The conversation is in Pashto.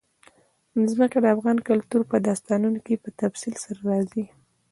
ځمکه د افغان کلتور په داستانونو کې په تفصیل سره راځي.